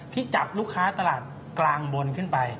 ที่จับลูกค้าตลาดกลางบนขึ้นไป